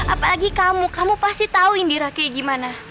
apalagi kamu kamu pasti tahu indira kayak gimana